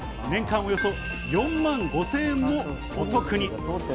年間およそ４万５０００円もお得に。